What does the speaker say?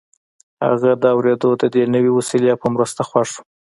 هغه د اورېدلو د دې نوې وسیلې په مرسته خوښ و